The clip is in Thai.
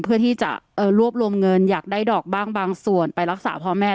เพื่อที่จะรวบรวมเงินอยากได้ดอกบ้างบางส่วนไปรักษาพ่อแม่